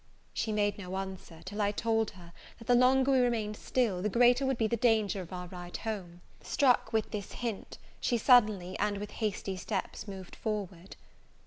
She made no answer, till I told her, that the longer we remained still, the greater would be the danger of our ride home. Struck with this hint, she suddenly, and with hasty steps, moved forward.